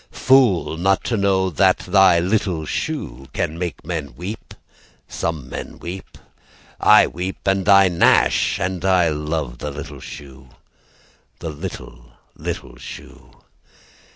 Fool, not to know that thy little shoe Can make men weep! Some men weep. I weep and I gnash, And I love the little shoe, The little, little shoe.